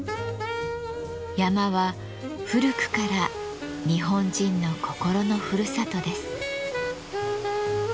山は古くから日本人の心のふるさとです。